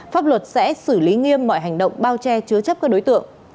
pháp luật sẽ xử lý nghiêm mọi hành động bao che chứa chấp các đối tượng